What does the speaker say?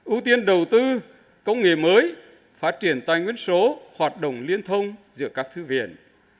ưu tiên đầu tư công nghệ mới phát triển tài nguyên số hoạt động liên thông giữa các thư viện